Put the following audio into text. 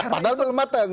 padahal belum mateng